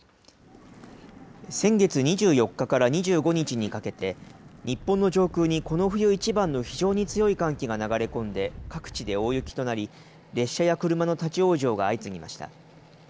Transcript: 先月２４日から２５日にかけて、日本の上空にこの冬一番の非常に強い寒気が流れ込んで各地で大雪となり、列車や車の立往生が相次ぎました。